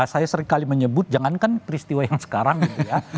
saya sering kali menyebut jangankan peristiwa yang sekarang ya